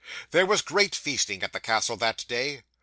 'There was great feasting at the castle, that day.